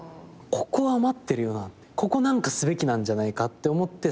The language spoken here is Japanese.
ここ何かすべきなんじゃないかって思って散歩に行くんですよ。